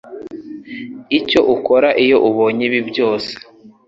Icyo ukora iyo ubonye ibi byose